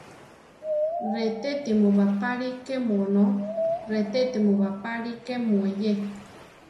Retéti mu bapáli kemu onó; retéti mu bapáli kemu eyé.